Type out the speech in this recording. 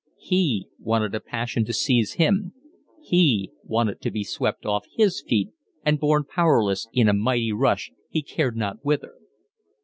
He wanted a passion to seize him, he wanted to be swept off his feet and borne powerless in a mighty rush he cared not whither.